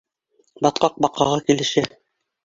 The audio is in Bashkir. Батҡаҡ баҡаға килешә.